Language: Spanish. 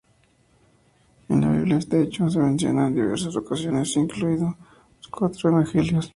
En la Biblia, este hecho se menciona en diversas ocasiones, incluidos los cuatro evangelios.